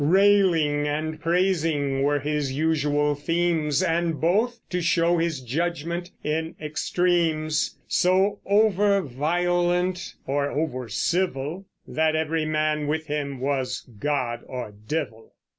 Railing and praising were his usual themes, And both, to show his judgment, in extremes: So over violent, or over civil, That every man with him was God or devil.